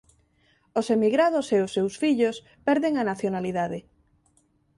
Os emigrados e os seus fillos perden a nacionalidade.